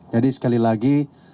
jadi sekali lagi